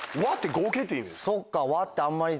そっか和ってあんまり。